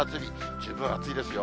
十分暑いですよ。